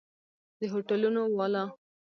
د هوټلونو والا!